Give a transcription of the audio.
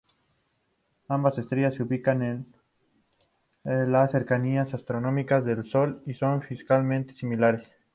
Ambas estrellas se ubican en las cercanías astronómicas del Sol y son físicamente similares.